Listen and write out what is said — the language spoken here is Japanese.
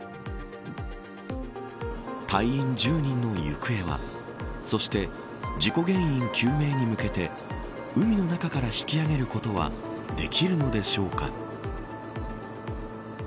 隊員１０人の行方はそして事故原因の究明に向けて海の中から引き揚げることはできるのでしょうか。